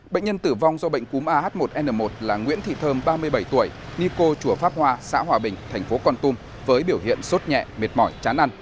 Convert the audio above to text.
bệnh nhân tử vong do bệnh cúm ah một n một là nguyễn thị thơm ba mươi bảy tuổi nhi cô chùa pháp hoa xã hòa bình thành phố con tum với biểu hiện sốt nhẹ mệt mỏi chán ăn